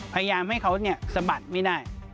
พยายามให้เขาสะบัดไม่ได้